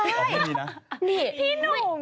พี่หนุ่ม